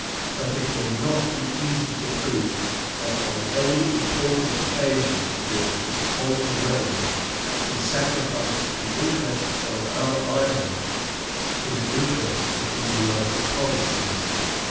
But it will not be easy to prove that, on any important occasion during his whole reign, he sacrificed the interests of our island to the interests of the United Provinces.